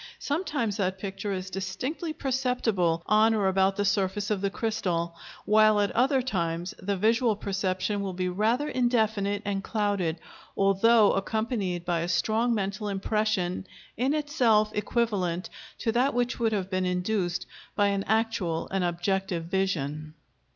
Sometimes that picture is distinctly perceptible on or about the surface of the crystal, while at other times the visual perception will be rather indefinite and clouded, although accompanied by a strong mental impression in itself equivalent to that which would have been induced by an actual and objective vision.